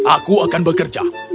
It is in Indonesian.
aku akan bekerja